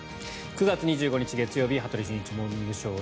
９月２５日月曜日「羽鳥慎一モーニングショー」。